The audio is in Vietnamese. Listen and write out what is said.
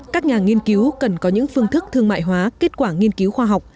các nhà nghiên cứu cần có những phương thức thương mại hóa kết quả nghiên cứu khoa học